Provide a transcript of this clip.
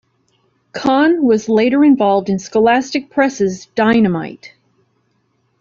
Kahn was later involved in Scholastic Press's Dynamite!